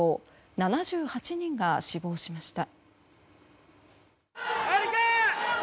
７８人が死亡しました。